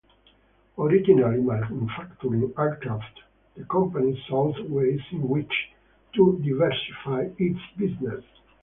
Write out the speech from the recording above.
Originally manufacturing aircraft, the company sought ways in which to diversify its business.